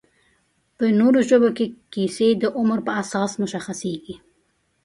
په نورو ژبو کې کیسې د عمر په اساس مشخصېږي